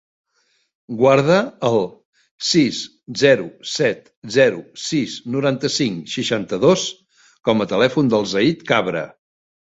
Guarda el sis, zero, set, zero, sis, noranta-cinc, seixanta-dos com a telèfon del Zaid Cabra.